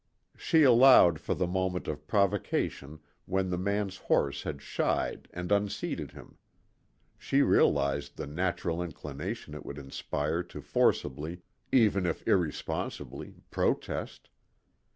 She allowed for the moment of provocation when the man's horse had shied and unseated him. She realized the natural inclination it would inspire to forcibly, even if irresponsibly, protest.